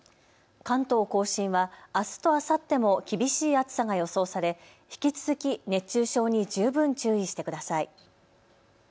関東甲信はあすとあさっても厳しい暑さが予想され引き続き熱中症に十分注意してください。